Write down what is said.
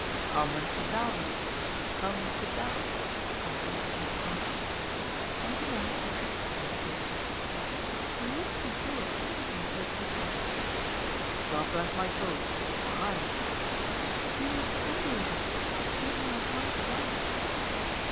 "Come and sit down, Missie, come and sit down," cried the Admiral, heartily. Marjolaine accepted his invitation. "I used to be so afraid of you, Sir Peter!" "Gobblessmysoul! Why?" "You were so angry with us for painting our house white!"